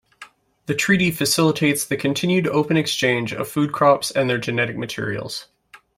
The Treaty facilitates the continued open exchange of food crops and their genetic materials.